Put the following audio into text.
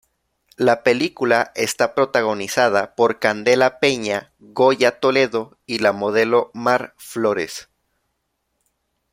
La película está protagonizada por Candela Peña, Goya Toledo y la modelo Mar Flores.